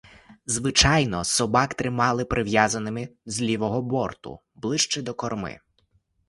Звичайно собак тримали прив'язаними з лівого борту, ближче до корми.